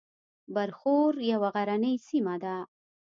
برښور یوه غرنۍ سیمه ده